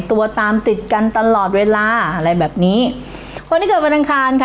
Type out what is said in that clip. ตัวตามติดกันตลอดเวลาอะไรแบบนี้คนที่เกิดวันอังคารค่ะ